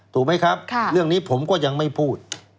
ถูกไหมครับเรื่องนี้ผมก็ยังไม่พูด